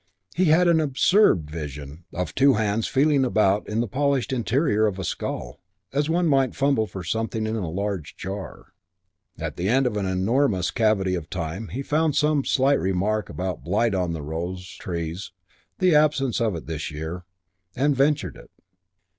He had an absurd vision of his two hands feeling about in the polished interior of a skull, as one might fumble for something in a large jar. At the end of an enormous cavity of time he found some slight remark about blight on the rose trees the absence of it this year and ventured it.